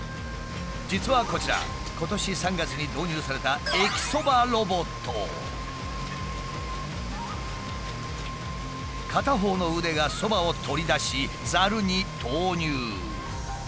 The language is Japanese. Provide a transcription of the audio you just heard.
実はこちら今年３月に導入された片方の腕がそばを取り出しざるに投入。